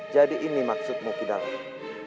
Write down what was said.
jadi ini maksudmu kidalang